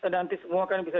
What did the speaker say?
nanti semua kan bisa